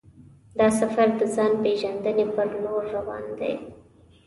دا سفر د ځان پېژندنې پر لور روان دی.